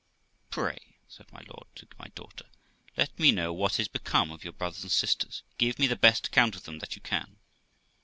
'Pray', said my lord to my daughter, 'let me know what is become of your brothers and sisters ; give me the best account of them that you can.'